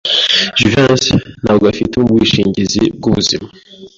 Jivency ntabwo afite ubwishingizi bwubuzima.